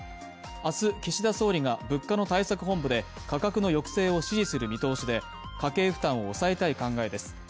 明日、岸田総理が物価の対策本部で価格の抑制を指示する見通しで家計負担を抑えたい考えです。